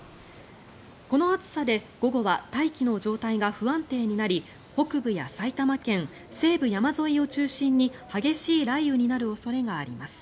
この暑さで午後は大気の状態が不安定になり北部や埼玉県西部山沿いを中心に激しい雷雨になる恐れがあります。